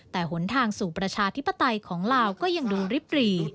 แต่หนทางสู่ประชาธิปไตยของลาวก็ยังดูริบหรี่